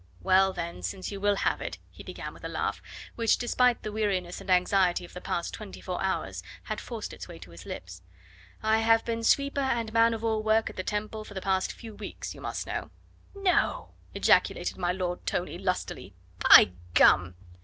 "Well, then, since you will have it," he began with a laugh, which despite the weariness and anxiety of the past twenty four hours had forced itself to his lips, "I have been sweeper and man of all work at the Temple for the past few weeks, you must know " "No!" ejaculated my Lord Tony lustily. "By gum!"